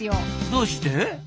どうして？